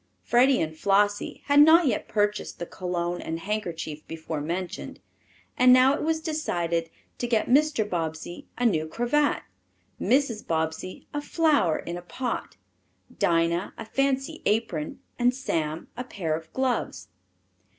Freddie and Flossie had not yet purchased the cologne and handkerchief before mentioned, and now it was decided to get Mr. Bobbsey a new cravat, Mrs. Bobbsey a flower in a pot, Dinah a fancy apron, and Sam a pair of gloves.